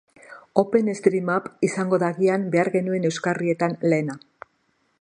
OpenStreetMap izango da agian behar genuen euskarrietan lehena.